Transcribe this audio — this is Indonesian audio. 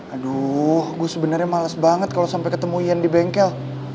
aduh gue sebenernya males banget kalo sampe ketemu ian di bengkel